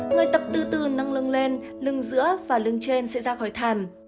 người tập từ từ nâng lưng lên lưng giữa và lưng trên sẽ ra khỏi thảm